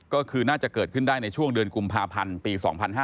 ก็คือน่าจะเกิดขึ้นได้ในช่วงเดือนกุมภาพันธ์ปี๒๕๕๙